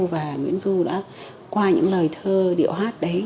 và nguyễn du đã qua những lời thơ điệu hát đấy